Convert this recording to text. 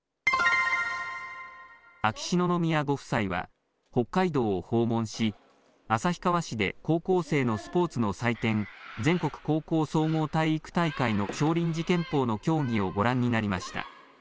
秋篠宮ご夫妻は北海道を訪問し、旭川市で高校生のスポーツの祭典、全国高校総合体育大会の少林寺拳法の競技をご覧になりました。